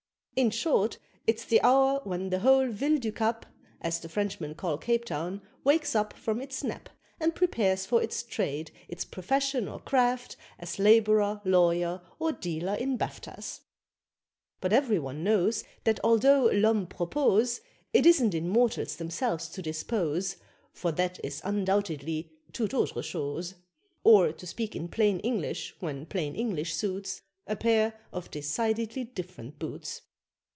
In short, it's the hour when the whole Ville du Cap (As the Frenchmen call Cape Town) wakes up from its nap And prepares for its trade, its profession or craft, as Labourer, lawyer, or dealer in baftas. But every one knows That although l'homme propose, It isn't in mortals themselves to "dispose," For that is undoubtedly toute autre chose Or to speak in plain English, when plain English suits A pair of decidedly different boots.